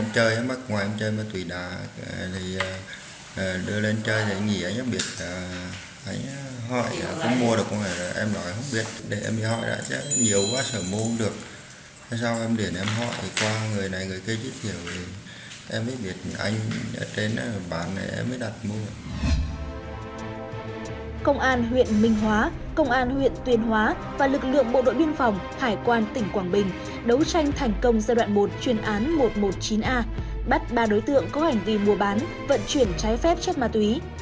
công an huyện minh hóa công an huyện tuyên hóa và lực lượng bộ đội biên phòng hải quan tỉnh quảng bình đấu tranh thành công giai đoạn một chuyên án một trăm một mươi chín a bắt ba đối tượng có hành vi mua bán vận chuyển trái phép chất ma túy